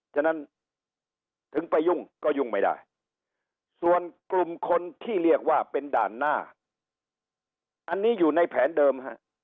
ฉะนั้นถึงไปยุ่งก็ยุ่งไม่ได้ส่วนกลุ่มคนที่เรียกว่าเป็นด่านหน้าอันนี้อยู่ในแผนเดิมฮะ